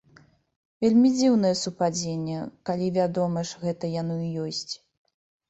Вельмі дзіўнае супадзенне, калі, вядома ж, гэта яно і ёсць.